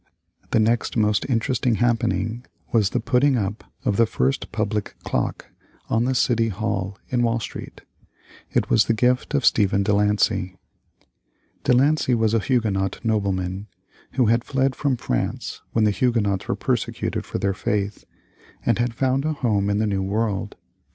The next most interesting happening was the putting up of the first public clock, on the City Hall in Wall Street. It was the gift of Stephen De Lancey. De Lancey was a Huguenot nobleman, who had fled from France when the Huguenots were persecuted for their faith, and had found a home in the new world.